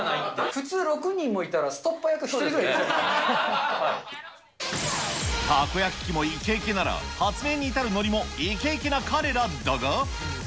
普通６人もいたら、たこ焼き器もイケイケなら、発明に至るノリもイケイケな彼らだが。